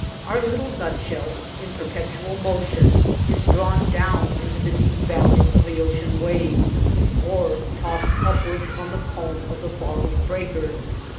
Our little nutshell, in perpetual motion, is drawn down into the deep valleys of the ocean waves, or tossed upwards on the comb of the following breaker.